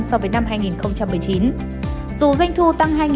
dù doanh thu tăng hai ba trăm linh tỷ đồng